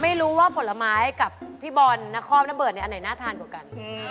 ไม่รู้ว่าผลไม้กับพี่บอลนครเบิร์ดเนี่ยอันไหนน่าทานกว่ากัน